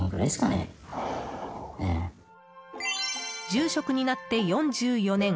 住職になって４４年。